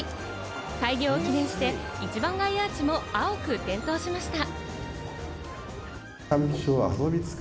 開業を記念して、一番街アーチも青く点灯しました。